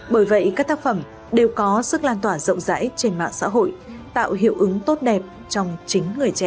bởi vậy các tác phẩm đều có sức lan tỏa rộng rãi trên mạng xã hội tạo hiệu ứng tốt đẹp trong chính người trẻ